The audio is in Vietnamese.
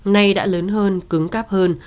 nay đã lớn hơn cứng cáp hơn